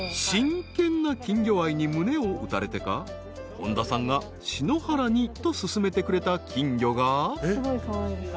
［真剣な金魚愛に胸を打たれてか本多さんが篠原にと薦めてくれた金魚が］